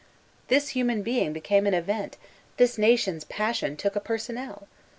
This human being became an event *diis nation's passion took a personnel!